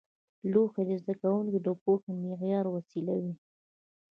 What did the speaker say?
لوحې د زده کوونکو د پوهې د معیار وسیله وې.